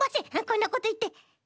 こんなこといって。